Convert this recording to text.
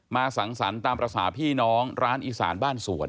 สังสรรค์ตามภาษาพี่น้องร้านอีสานบ้านสวน